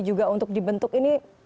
juga untuk dibentuk ini